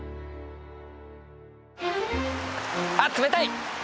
あっ冷たい！